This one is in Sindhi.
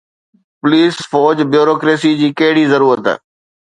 پوليس، فوج، بيوروڪريسي جي ڪهڙي ضرورت؟